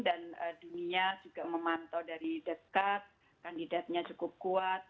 dan dunia juga memantau dari dekat kandidatnya cukup kuat